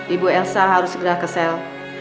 ibu elsa harus segera ke sel